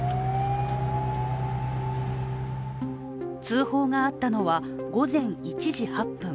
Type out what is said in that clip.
通報があったのは午前１時８分。